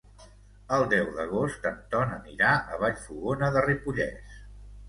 El deu d'agost en Ton anirà a Vallfogona de Ripollès.